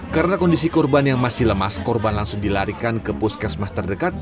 karena kondisi korban yang masih lemas korban langsung dilarikan ke puskesmas terdekat